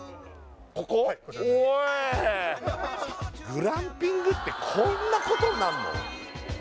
グランピングってこんなことになんの？